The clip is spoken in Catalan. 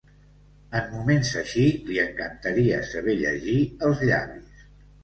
En moments així li encantaria saber llegir els llavis.